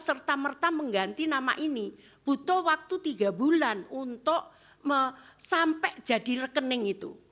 serta merta mengganti nama ini butuh waktu tiga bulan untuk sampai jadi rekening itu